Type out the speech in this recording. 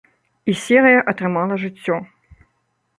І серыя атрымала жыццё.